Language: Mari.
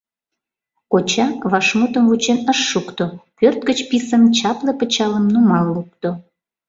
Коча вашмутым вучен ыш шукто, пӧрт гыч писын чапле пычалым нумал лукто.